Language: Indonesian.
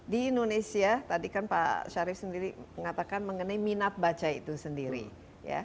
di indonesia tadi kan pak syarif sendiri mengatakan mengenai minat baca itu sendiri ya